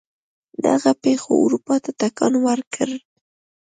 دغو پېښو اروپا ته ټکان ورکړ.